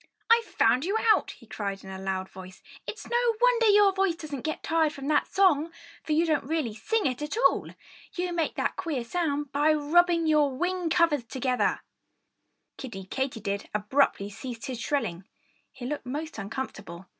"I've found you out!" he cried in a loud voice. "It's no wonder your voice doesn't get tired from that song! For you don't really sing it at all! You make that queer sound by rubbing your wing covers together!" Kiddie Katydid abruptly ceased his shrilling. He looked most uncomfortable.